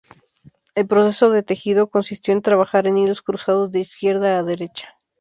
El proceso de tejido consistió en trabajar en hilos cruzados de izquierda a derecha.